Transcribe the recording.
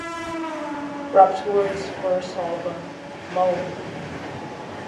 Raptori's first album, Moe!